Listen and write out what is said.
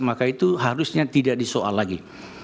maka itu harusnya tidak disoal lagi